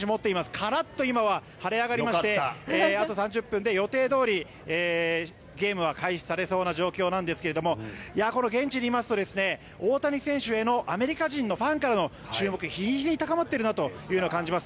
カラッと今は晴れ上がりましてあと３０分で予定どおりゲームは開始されそうな状況なんですけどこの現地にいますと大谷選手へのアメリカ人のファンからの注目が日に日に高まっているなというのを感じます。